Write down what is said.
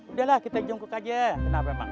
udahlah kita jungkuk aja